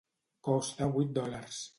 Costa vuit dòlars.